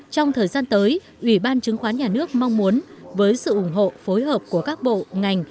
trong thời gian tới ủy ban chứng khoán nhà nước mong muốn với sự ủng hộ phối hợp của các bộ ngành